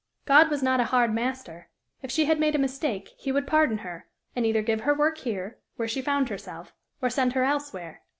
God was not a hard master; if she had made a mistake, he would pardon her, and either give her work here, where she found herself, or send her elsewhere.